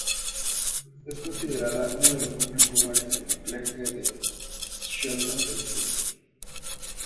Es considerada uno de los mejores lugares de anclaje de las Shetland del Sur.